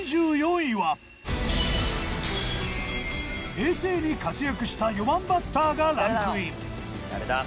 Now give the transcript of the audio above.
平成に活躍した４番バッターがランクイン。